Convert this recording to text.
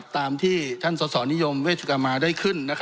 ตามที่ท่านสสนิยมเวชกรรมาได้ขึ้น